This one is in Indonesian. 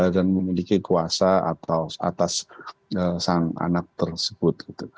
dan memiliki kuasa atau atas sang anak tersebut